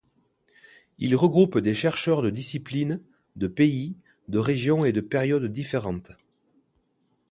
Il regroupe des chercheurs de disciplines, de pays, de régions et de périodes différentes.